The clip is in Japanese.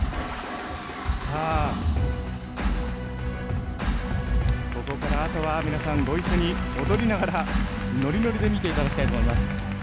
さあここからあとは皆さんご一緒に踊りながらノリノリで見て頂きたいと思います。